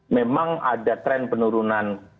memang ada tren penurunan